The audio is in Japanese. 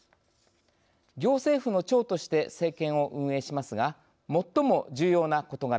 行政府の長として政権を運営しますが最も重要な事柄